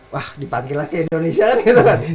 wah dipanggil lagi indonesia kan gitu kan